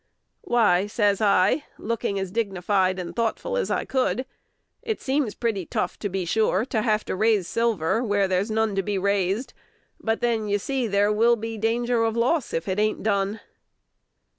"Why," says I, looking as dignified and thoughtful as I could, "it seems pretty tough, to be sure, to have to raise silver where there's none to be raised; but then, you see, 'there will be danger of loss' if it ain't done."